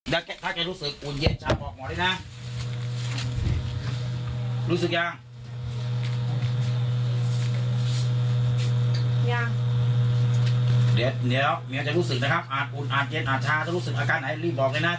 หายเย็นยัง